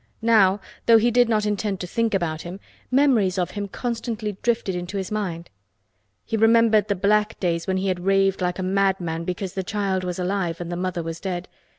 Now, though he did not intend to think about him, memories of him constantly drifted into his mind. He remembered the black days when he had raved like a madman because the child was alive and the mother was dead.